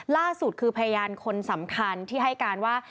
ล่าสุดคือพยานคนสำคัญที่ให้การว่า